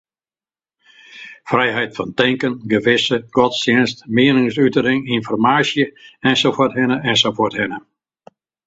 Spilet Tryater oeral?